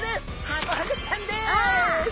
ハコフグちゃん。